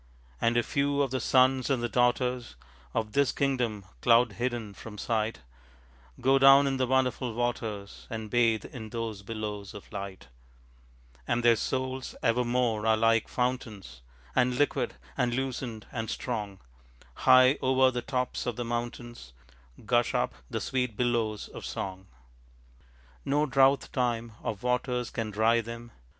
And a few of the sons and the daughters Of this kingdom, cloud hidden from sight, Go down in the wonderful waters, And bathe in those billows of light And their souls ever more are like fountains, And liquid and lucent and strong, High over the tops of the mountains Gush up the sweet billows of song. No drouth time of waters can dry them.